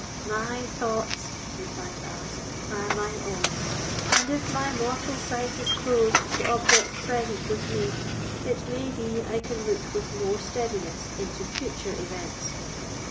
"My thoughts," replied Alice, "are my own; and if my mortal sight is closed to objects present with me, it may be I can look with more steadiness into future events.